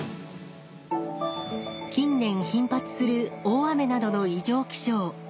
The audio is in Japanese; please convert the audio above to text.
近年頻発する大雨などの異常気象。